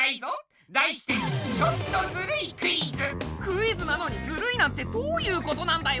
題してクイズなのにずるいなんてどういうことなんだよ